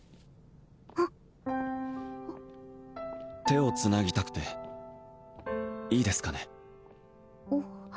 手をつなぎたくていいですかね？